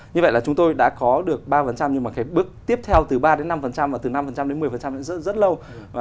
như vậy là chúng tôi đã có được ba nhưng mà cái bước tiếp theo từ ba đến năm và từ năm đến một mươi rất lâu